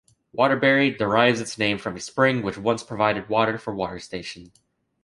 Waterbury derives its name from a spring which once provided water for water station.